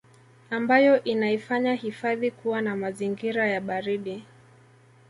ambayo inaifanya hifadhi kuwa na mazingira ya baridi